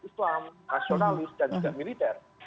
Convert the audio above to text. islam nasionalis dan juga militer